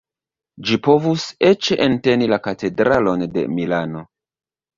Ĝi povus eĉ enteni la Katedralon de Milano.